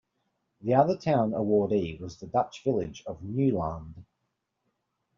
The other town awardee was the Dutch village of Nieuwlande.